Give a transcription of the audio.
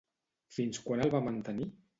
Fins quan el va mantenir?